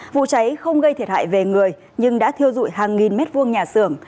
vụ cháy không gây thiệt hại về người nhưng đã thiêu dụi hàng nghìn mét vuông nhà xưởng